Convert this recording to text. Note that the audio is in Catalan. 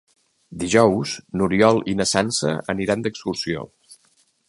Dijous n'Oriol i na Sança aniran d'excursió.